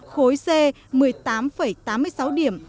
khối c một mươi tám tám mươi sáu điểm